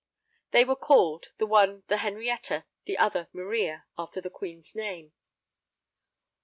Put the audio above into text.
They were called, the one the Henrietta, the other Maria, after the Queen's name.